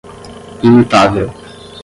imutável